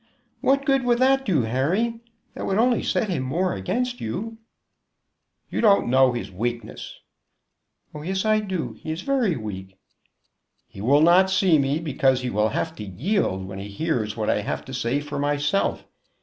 "What good would that do, Harry? That would only set him more against you." "You don't know his weakness." "Oh yes, I do; he is very weak." "He will not see me, because he will have to yield when he hears what I have to say for myself.